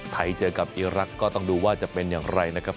ไทยเจอกับอีรักษ์ก็ต้องดูว่าจะเป็นอย่างไรนะครับ